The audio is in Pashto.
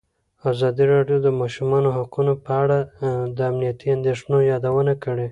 ازادي راډیو د د ماشومانو حقونه په اړه د امنیتي اندېښنو یادونه کړې.